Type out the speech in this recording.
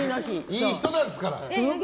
いい人なんですから。